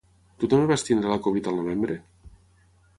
Tu també vas tenir la Covid al novembre?